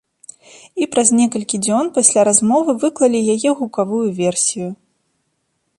І праз некалькі дзён пасля размовы выклалі яе гукавую версію.